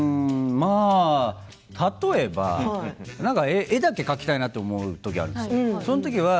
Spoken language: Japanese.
例えば絵だけ描きたいなって思う時があるんですよ。